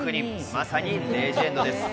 まさにレジェンドです。